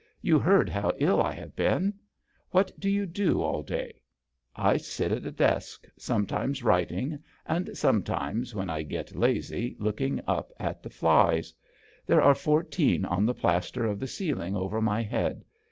" You heard how ill I have been ? What do you do all day ?"" I sit at a desk, sometimes writing, and sometimes, when I get lazy, looking up at the flies. There are fourteen on the plaster of the ceiling over my head.